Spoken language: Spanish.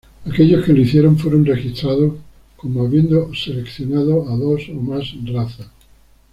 Aquellos que lo hicieron fueron registrados como habiendo seleccionado "Dos o más razas".